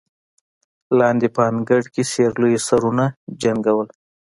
لاندې په انګړ کې سېرليو سرونه جنګول.